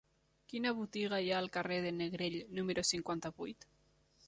Quina botiga hi ha al carrer de Negrell número cinquanta-vuit?